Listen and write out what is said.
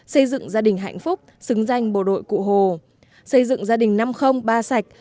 xây dựng gia đình hạnh phúc xứng danh bộ đội cụ hồ xây dựng gia đình năm trăm linh ba sạch